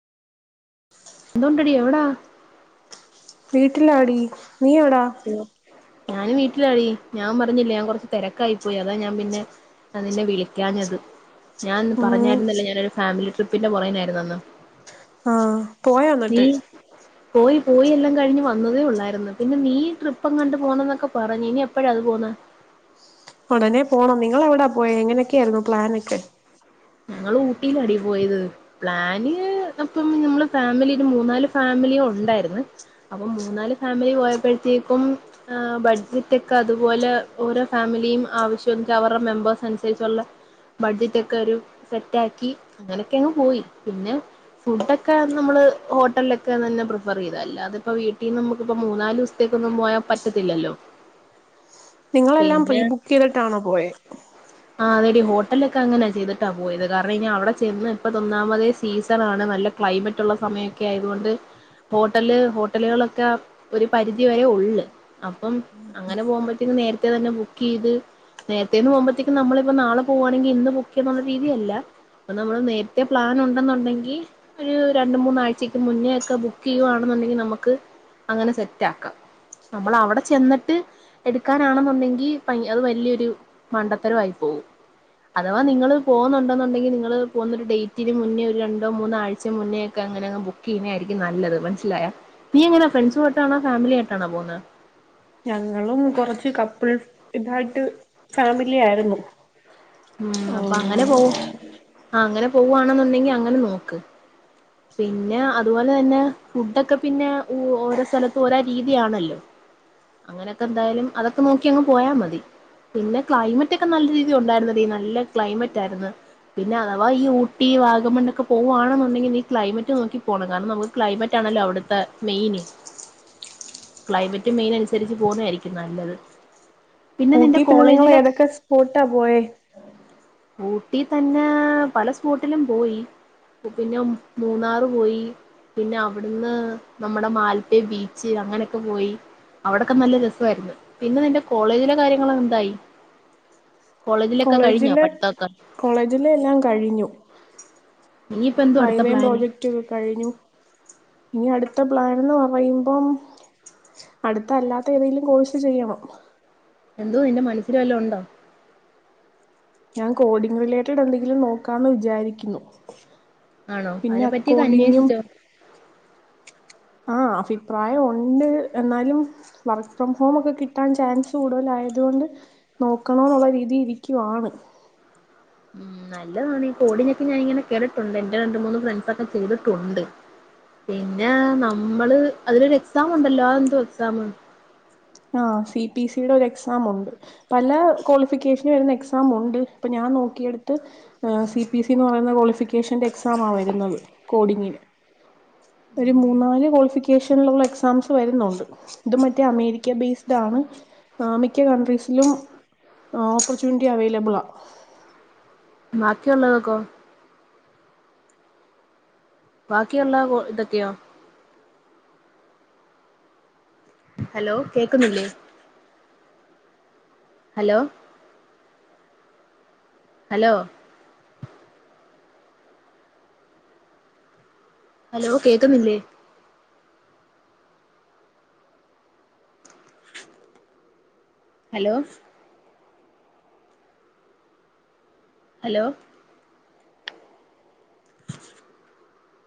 ന്തോണ്ടടി എവിടാ വീട്ടിലാടി നീ എവിടാ ഞാൻ വീട്ടിലാടി ഞാൻ പറഞ്ഞില്ലേ ഞാൻ കൊറച്ച് തിരക്കായി പോയി അതാ ഞാൻ പിന്നെ അ നിന്നെ വിളിക്കാഞ്ഞത് ഞാനൻന്ന് ഉം പറഞ്ഞായിരുന്നില്ല ഞാനരു ഫാമിലി ട്രിപ്പിന്റെ പുറേന്നായിരുന്നു അന്ന് പോയ വന്നിട്ട് പോയിെല്ലാം കഴിഞ്ഞ് വന്നതേ ഉള്ളായിരുന്നു പിന്നെ നീ ഈ ട്രിപ്പ കണ്ട് പോണംന്നൊക്കെ പറഞ്ഞു ഇനി എപ്പഴാ അത് പോന്ന അങ്ങനെ പോണം നിങ്ങള് എവടാ പോയ എങ്ങനൊക്കെയാര്ന്നു പ്ലാനൊക്കെ ഞങ്ങള് ഊട്ടിയിലാടി പോയത് പ്ലാന് അപ്പം നമ്മള് ഫാമിലി ഒര് മൂന്നാല് ഫാമിലി ഒണ്ടായിര്ന്ന് അപ്പം മൂന്നാല് ഫാമിലി പോയപ്പോഴത്തേക്കും ആ ബഡ്ജറ്റ് ഒക്കെ അത് പോലെ ഓരോ ഫാമിലിയും ആവശ്യം അവരുടെ മെമ്പേഴ്സ് അനുസരിച്ചെള്ളാ ബഡ്ജറ്റ് ഒക്കെ ഒരു സെറ്റാക്കി അങ്ങനെയൊക്കെ അങ്ങ് പോയി പിന്നെ ഫുഡൊക്കെ നമ്മള് ഹോട്ടലില്ലേക്കെ തന്നെ പ്രിഫറ് ചെയ്ത് അല്ലാതെ ഇപ്പം വീട്ടിന്ന് നമക്കിപ്പം മൂന്നാല് ദെവസത്തേക്കൊന്നും പോയാ പറ്റത്തില്ലല്ലോ നിങ്ങളെല്ലാം പിന്നെ പ്രീബുക്കെയ്തിട്ടാണോ പോയെ ആ അതെടി ഹോട്ടലൊക്കെ അങ്ങനാ ചെയ്തിട്ടാ പോയത് കാരണം ഇനി അവടെ ചെന്ന് ഇപ്പഴ് ഒന്നാമതേ സീസൺ ആണ് നല്ല ക്ലൈമറ്റ് ഒള്ള സമയമൊക്കെ ആയത്കൊണ്ട് ഹോട്ടല് ഹോട്ടലുകളൊക്കെ ഒര് പരിധി വരെ ഒള്ള് അപ്പം അങ്ങനെ പോകുമ്പോഴത്തേും നേരത്തെ തന്നെ ബുക്ക് ചെയ്ത് നേരത്തേന്ന് പോകു നമ്മളിപ്പോ നാളെ പോകുവാണെങ്കിൽ ഇന്ന് ബുക്ക് ചെയ്യന്നുള്ള ഒര് രീതിയല്ല ഇപ്പം നമ്മള് നേരത്തെ പ്ലാൻ ഉണ്ടെന്നുണ്ടെങ്കി ഒര് രണ്ട് മൂന്നാഴ്ചക്ക് മുന്നേയെക്കെ ബുക്ക് ചെയ്യുവാണെന്നുണ്ടെങ്കി നമക്ക് അങ്ങനെ സെറ്റ് ആക്കാം നമ്മള് അവടെ ചെന്നിട്ട് എടുക്കാനാണെന്നണ്ടെങ്കി പൈ അത് വല്ല്യായൊര് മണ്ട ത്തരമായി പോകും അഥവാ നിങ്ങള് പോകുന്നെണ്ടെന്നുണ്ടെങ്കി നിങ്ങള് പോകുന്ന ഒര് ഡേറ്റിന് മുന്നേ ഒര് രണ്ടോ, മൂന്നോ ആഴ്ച മുന്നേ ഒക്കെ അങ്ങനെ ബുക്ക് ചെയ്യുന്നയായിരിക്കും നല്ലത് മനസ്സില്ല്യായ നീ എങ്ങനാ ഫ്രണ്ട്സട്ടോ ആണോ ഫാമിലിയ ആയിട്ടാണോ പോകുന്നാ ഞങ്ങളും കൊറച്ച് കപ്പിൾ ഇതായിട്ട് ഫാമിലി ആര്ന്നു ഉം അപ്പം അങ്ങനെ പോവും ആ അങ്ങനെ പോവവാണെന്നണ്ടെങ്കി അങ്ങനെ നോക്ക് പിന്നെ അതുപോലെ തന്നെ ഫുഡൊക്കെ പിന്നെ ഓരോ സ്ഥലത്തും ഓരോ രീതിയാണല്ലോ അങ്ങനെയൊക്കെ എന്തായാലും അതൊക്കെ നോക്കി അങ്ങ് പോയാ മതി പിന്നെ ക്ലെമറ്റ് ഒക്കെ നല്ല രീതി ഒണ്ടായിരുന്നതി നല്ല ക്ലെമറ്റ് ആര്ന്ന് പിന്നെ അഥവാ ഈ ഊട്ടി, വാഗമൺ ഒക്കെ പോവുവാണെന്നുണ്ടെങ്കിൽ നീ ക്ലെമറ്റ് നോക്കി പോണം കാരണം നമക്ക് ക്ലെമറ്റ് ആണല്ലോ അവട്ത്തെ മെയിന് ക്ലെമറ്റ് മെയിൻ അന്സരിച്ച് പോന്നോ ആരിക്കും നല്ലത് നിന്റെ ഊട്ടി പിന്നെ നിങ്ങള് കോളേജിലെ ഏതൊക്കെ സ്പോട്ടാ പോയേ ഊട്ടി തന്നെ പല സ്പോട്ടിലും പോയി പിന്നെ മൂന്നാറ് പോയി പിന്നെ അവട്ന്ന് നമ്മടെ മാൽപ്പേ ബീച്ച് അങ്ങനെയൊക്കെ പോയി അവടെക്കെ നല്ല രെസാര്ന്ന് പിന്നെ നിൻ്റെ കോളേജിലെ കാര്യങ്ങള് എന്തായി കോളേജിലൊക്കെ കഴിഞ്ഞോ കോളേജിലെ പഠിത്തൊക്കെ കോളേജിലെ എല്ലാം കഴിഞ്ഞു ഇനിയിപ്പ എന്തുവാ അടുത്ത വൈവേം, പ്ലാന് പ്രോജക്റ്റ് ഒക്കെ കഴിഞ്ഞു ഇനി അടുത്താ പ്ലാൻന്ന് പറയുമ്പോ അടുത്തല്ലാത്ത ഏതെങ്കിലും കോഴ്സ് ചെയ്യണം എന്തോ നിന്റെ മനസ്സില് വല്ലാം ഒണ്ടോ ഞാൻ കോഡിങ് റിലേറ്റഡ് എന്തെങ്കിലും നോക്കാന്ന് വിചാരിക്ക്ന്നു ആണോ അയിനെ പറ്റിയെക്കോ അന്വേഷിച്ചോ ആ അഭിപ്രായോ ഉണ്ട് എന്നാലും വർക്ക് ഫ്രം ഹോം ഒക്കെ കിട്ടാൻ ചാൻസ് കൂടുതലായത്കൊണ്ട് നോക്കണെ എന്നുള്ള രീതി ഇരിക്കുവാണ് നല്ലതാണ് ഈ കോടിനൊക്കെ ഞാനിങ്ങനെ കേട്ടിട്ടുണ്ട് എൻ്റെ രണ്ട് മൂന്ന് ഫ്രണ്ട്സ് ഒക്കെ ചെയ്തിട്ടുണ്ട് പിന്നെ നമ്മള് അതിലൊരു എക്സാം ഉണ്ടല്ലോ അതെന്തുവാ എക്സാം ആ സി പി സിയുടെ ഒര് എക്സാം ഒണ്ട് പല ക്വാളിഫിക്കേഷന് വെര്ന്നാ എക്സാം ഉണ്ട് ഇപ്പം ഞാൻ നോക്കിയെടുത്ത് സി പിഎസ് സി എന്ന് പറയുന്ന കൊളിഫി ഷേന്റെ എക്സാമ വെര്ന്നത് കൊടിങ്ങില് ഒര് മൂന്നാല് കൊളിഫിക്കേഷനിലെള്ള എക്സാംസ് വെര്ന്നുണ്ട് ഇത് മറ്റേ അമേരി ബേസിഡാണ് മിക്ക കണ്ട്രീസിലും ഓപ്പർച്ചുനുറ്റി അവൈലബിളാണ് ബാക്കിയെള്ളതൊക്കോ ബാക്കിയെള്ള കോ ഇതൊക്കെയോ ഹലോ കേക്ക്ന്നില്ലേ ഹലോ ഹലോ ഹലോ കേക്കുന്നില്ലേ ഹലോ ഹലോ